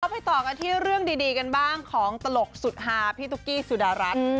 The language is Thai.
ไปต่อกันที่เรื่องดีกันบ้างของตลกสุดฮาพี่ตุ๊กกี้สุดารัฐ